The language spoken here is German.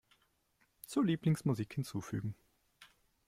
Zur Lieblingsmusik hinzufügen.